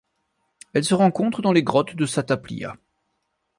Elle se rencontre dans les grottes de Sataplia.